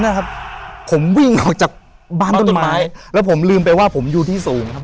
ตอนนั้นครับผมวิ่งออกจากบ้านบนไม้ผมอยู่ที่สูงครับ